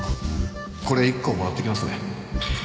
これ１個もらっていきますね。